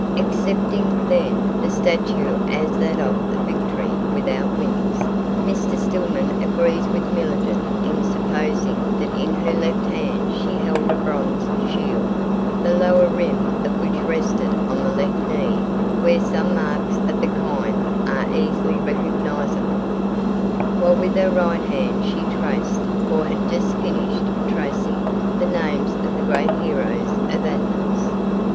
Accepting, then, the statue as that of the Victory Without Wings, Mr. Stillman agrees with Millingen in supposing that in her left hand she held a bronze shield, the lower rim of which rested on the left knee where some marks of the kind are easily recognisable, while with her right hand she traced, or had just finished tracing, the names of the great heroes of Athens.